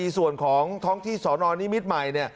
ส่วนของท้องที่สนนิมิตรใหม่